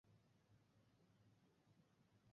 এর প্রকৃত প্রতিষ্ঠাতা ছিলেন এনরিকো ভার্সন।